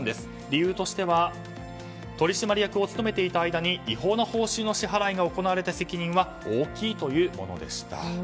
理由としては取締役を務めていた間に違法な報酬の支払いが行われた責任は大きいというものでした。